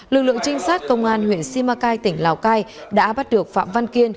lực lượng trinh sát công an huyện simacai tỉnh lào cai đã bắt được phạm văn kiên